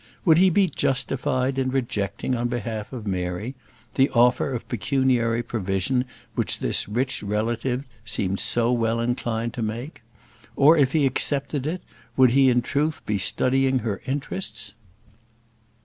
Would he be justified in rejecting, on behalf of Mary, the offer of pecuniary provision which this rich relative seemed so well inclined to make? Or, if he accepted it, would he in truth be studying her interests?